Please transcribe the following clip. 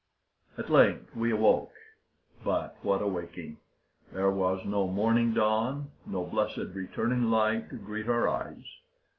At length we awoke. But what a waking! There was no morning dawn, no blessed returning light to greet our eyes.